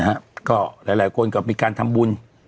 นี่นะฮะก็หลายคนก็มีการทำบุญ